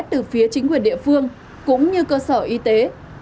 từ phía chính quyền địa phương cũng như cơ sở y tế